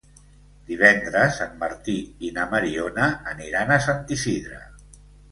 Divendres en Martí i na Mariona aniran a Sant Isidre.